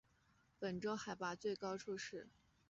本州海拔最高处是。